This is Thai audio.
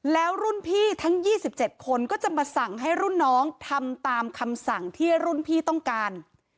แล้วรุ่นพี่ทั้ง๒๗คนก็จะมาสั่งให้รุ่นน้องทำตามคำสั่งที่รุ่นพี่ต้องการ